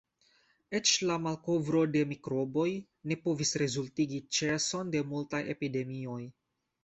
Eĉ la malkovro de mikroboj ne povis rezultigi ĉeson de multaj epidemioj.